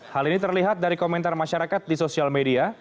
hal ini terlihat dari komentar masyarakat di sosial media